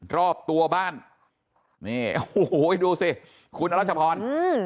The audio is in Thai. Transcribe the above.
รอบตัวบ้านนี่โอ้โหดูสิคุณอรัชพรอืม